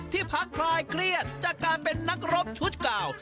พักคลายเครียดจากการเป็นนักรบชุดเก่า